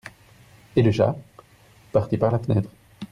Et le chat ?- Parti par la fenêtre.